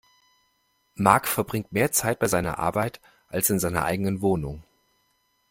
Mark verbringt mehr Zeit bei seiner Arbeit als in seiner eigenen Wohnung.